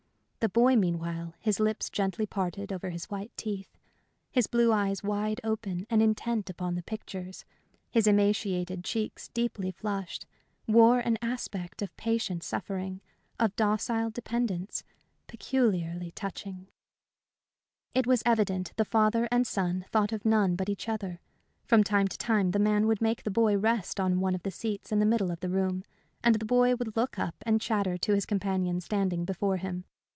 The boy, meanwhile, his lips gently parted over his white teeth, his blue eyes wide open and intent upon the pictures, his emaciated cheeks deeply flushed, wore an aspect of patient suffering, of docile dependence, peculiarly touching. It was evident the father and son thought of none but each other. From time to time the man would make the boy rest on one of the seats in the middle of the room, and the boy would look up and chatter to his companion standing before him.